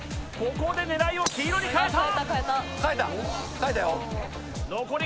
ここで狙いを黄色に変えた。